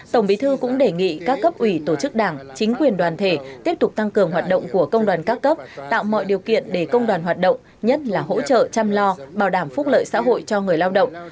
tổng bí thư cũng đề nghị các cấp ủy tổ chức đảng chính quyền đoàn thể tiếp tục tăng cường hoạt động của công đoàn các cấp tạo mọi điều kiện để công đoàn hoạt động nhất là hỗ trợ chăm lo bảo đảm phúc lợi xã hội cho người lao động